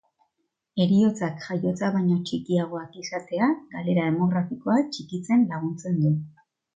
Heriotzak jaiotzak baino txikiagoak izateak, galera demografikoa txikitzen laguntzen du.